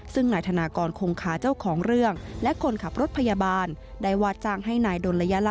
ซึ่งนายธนากรคงคาเจ้าของเรื่องและคนขับรถพยาบาลได้ว่าจ้างให้นายดนระยะละ